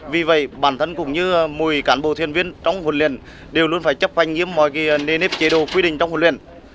vì vậy bản thân cũng như một mươi cán bộ thuyền viên trong huấn luyện đều luôn phải chấp quan nhiệm mọi nền hiệp chế độ quy định trong huấn luyện